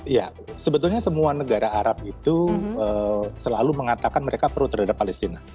ya sebetulnya semua negara arab itu selalu mengatakan mereka pro terhadap palestina